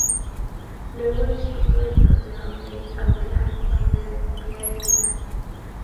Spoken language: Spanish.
Luego disputó el Torneo de Auckland, donde defendía final.